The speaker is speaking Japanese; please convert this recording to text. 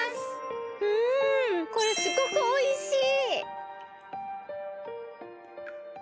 うんこれすごくおいしい！